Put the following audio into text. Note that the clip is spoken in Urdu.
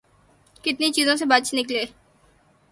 کتنی چیزوں سے بچ نکلے۔